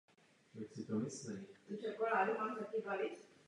Milan Štěrba byl in memoriam povýšen do hodnosti poručíka.